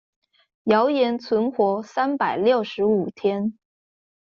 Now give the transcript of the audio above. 謠言存活三百六十五天